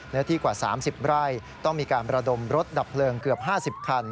เนื้อที่กว่า๓๐ไร่ต้องมีการประดมรถดับเพลิงเกือบ๕๐คัน